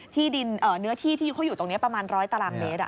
ดินเนื้อที่ที่เขาอยู่ตรงนี้ประมาณ๑๐๐ตารางเมตร